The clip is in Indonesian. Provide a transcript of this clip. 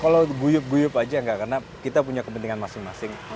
kalau guyup guyup aja nggak karena kita punya kepentingan masing masing